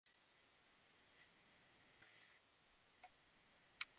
এখন আমার কাপড় কোথায় শুকাতে দিব?